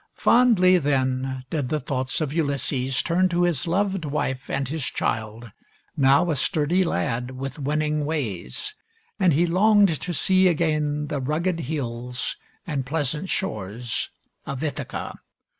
Fondly then did the thoughts of Ulysses turn to his loved wife and his child, now a sturdy lad with winning ways ; and he longed to see again the rugged hills and pleasant shores of Ithaca.